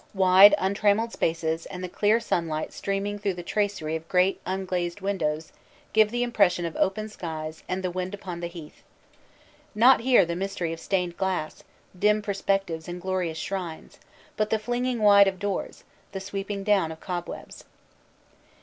Wide untrammelled spaces and the clear sunlight streaming through the tracery of great unglazed win dows give the impression of open skies and "the wind upon the heath." Not here the mystery of stained glass, dim per spectives and glorious shrines, but the flinging wide of doors, the sweeping down of cobwebs.